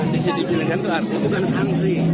disiplinkan itu artinya bukan sanksi